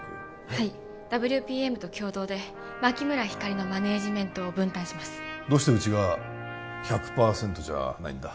はいＷＰＭと共同で牧村ひかりのマネージメントを分担しますどうしてうちが１００％じゃないんだ？